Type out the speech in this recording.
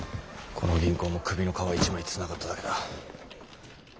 この銀行も首の皮一枚つながっただけだ。